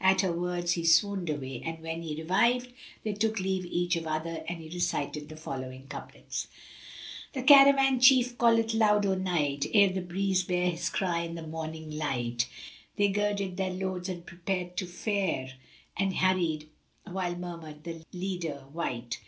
At her words he swooned away; and when he revived, they took leave each of other and he recited the following couplets, "The Caravan chief calleth loud o' night * Ere the Breeze bear his cry in the morning light: They girded their loads and prepared to fare, * And hurried while murmured the leader wight.